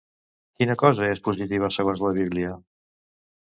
Quina cosa és positiva segons la Bíblia?